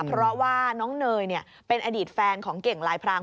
เพราะว่าน้องเนยเป็นอดีตแฟนของเก่งลายพราง